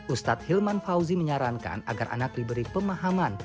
ustadz hilman fauzi menyarankan agar anak diberi pemahaman